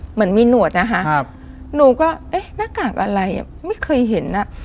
เหมือนมีหนวดนะคะครับหนูก็เอ๊ะหน้ากากอะไรอ่ะไม่เคยเห็นอ่ะ